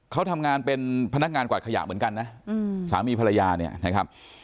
เขาทำงานเป็นพนักงานกวาดขยะเหมือนกันนะสามีภรรยาเนี่ยนะครับ